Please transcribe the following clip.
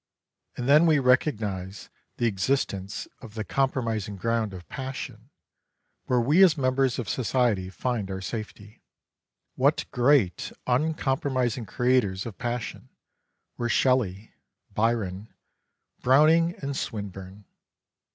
And then we recognise the exist ence of the compromising ground of passion, where we as members of society find our safety. What great uncom promising creators of passion were Shelley, Byron, Browning^ and Swinburne